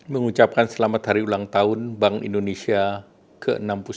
mengucapkan selamat hari ulang tahun bank indonesia ke enam puluh sembilan